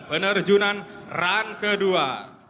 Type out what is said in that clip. penerjunan run kedua